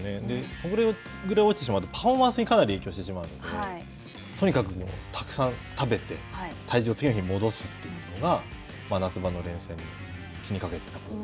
それぐらい落ちてしまうとパフォーマンスにかなり影響してしまうので、とにかくたくさん食べて、体重を次の日に戻すというのが夏場の連戦でも気にかけていたこ